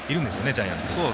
ジャイアンツには。